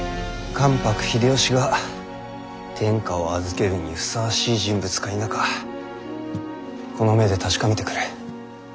関白秀吉が天下を預けるにふさわしい人物か否かこの目で確かめてくる。